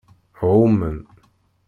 Ɛumen.